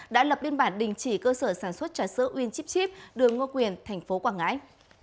đã lập biên bản đình chỉ cơ sở sản xuất trà sữa winchipchip đường ngo quyền tp quảng ngãi